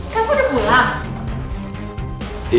kamu udah pulang